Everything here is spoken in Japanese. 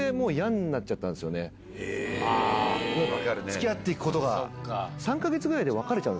付き合っていくことが。